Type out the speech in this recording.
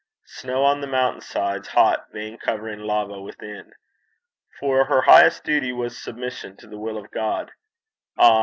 snow on the mountain sides, hot vein coursing lava within. For her highest duty was submission to the will of God. Ah!